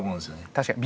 確かに。